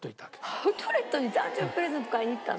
アウトレットに誕生日プレゼント買いに行ったの？